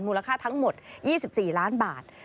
ค่าทั้งหมด๒๔ล้านบาท